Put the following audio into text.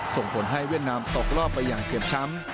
ส่งผลให้เวียดนามตกรอบไปอย่างเจ็บช้ำ